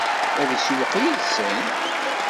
Ad isewweq yid-sen?